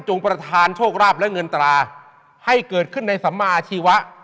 ประธานโชคราบและเงินตราให้เกิดขึ้นในสัมมาชีวะ